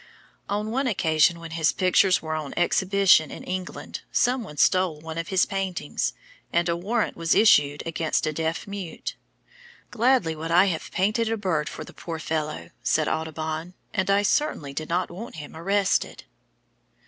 On one occasion when his pictures were on exhibition in England, some one stole one of his paintings, and a warrant was issued against a deaf mute. "Gladly would I have painted a bird for the poor fellow," said Audubon, "and I certainly did not want him arrested."